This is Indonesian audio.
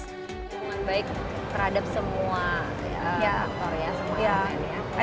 hubungan baik terhadap semua aktor ya semua aktor